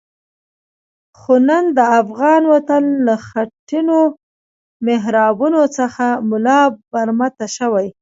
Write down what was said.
خو نن د افغان وطن له خټینو محرابونو څخه ملا برمته شوی.